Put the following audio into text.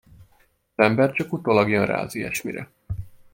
Az ember csak utólag jön rá az ilyesmire.